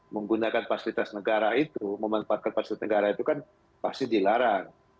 menggunakan fasilitas negara itu memanfaatkan fasilitas negara itu kan pasti dilarang